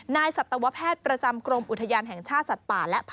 นายศัตวแพทย์ประจำกรมอุทยานแห่งชาติสัตว์ป่าและพันธุ์พฤษ